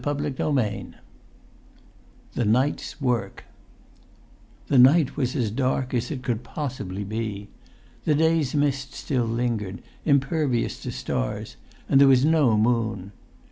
[Pg 193] XVIII THE NIGHT'S WORK The night was as dark as it could possibly be. The day's mist still lingered, impervious to stars, and there was no moon.